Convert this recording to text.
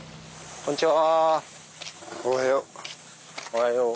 こんにちは。